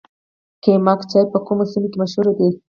قیماق چای په کومو سیمو کې مشهور دی؟